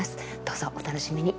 どうぞお楽しみに。